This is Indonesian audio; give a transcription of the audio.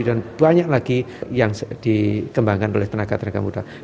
dan banyak lagi yang dikembangkan oleh tenaga tenaga muda